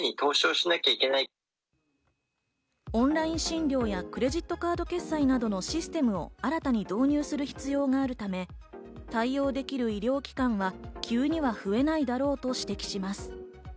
オンライン診療や、クレジットカード決済などのシステムを新たに導入する必要があるため、対応できる医療機関は急には増えないだろうと指摘します。